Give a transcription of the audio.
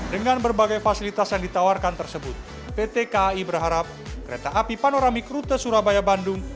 dengan berbagai fasilitas yang ditawarkan tersebut pt kai berharap kereta api panoramik rute surabaya bandung